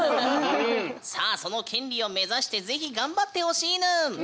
さあその権利を目指して是非頑張ってほしいぬん。